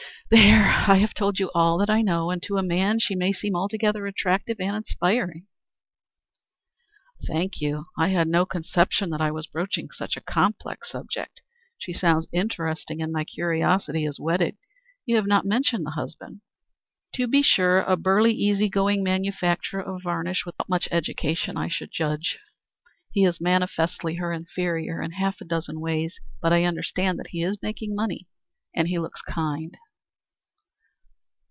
There, I have told you all I know, and to a man she may seem altogether attractive and inspiring." "Thank you. I had no conception that I was broaching such a complex subject. She sounds interesting, and my curiosity is whetted. You have not mentioned the husband." "To be sure. A burly, easy going manufacturer of varnish, without much education, I should judge. He is manifestly her inferior in half a dozen ways, but I understand that he is making money, and he looks kind."